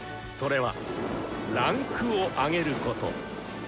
それは「位階を上げる」こと。